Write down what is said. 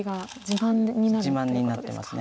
自慢になってます。